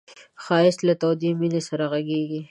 ښایست له تودې مینې سره غږېږي